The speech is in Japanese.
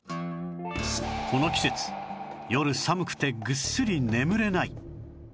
この季節夜寒くてぐっすり眠れない